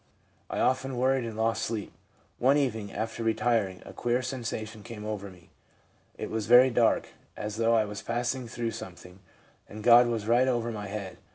I often worried and lost sleep. One evening, after retiring, a queer sensation came over me ; it was very dark, as though I was pass ing through something, and God was right over my head.